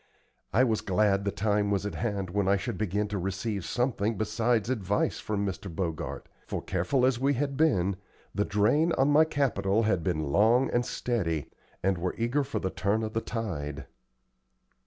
I was glad the time was at hand when I should begin to receive something besides advice from Mr. Bogart; for, careful as we had been, the drain on my capital had been long and steady, and were eager for the turn of the tide.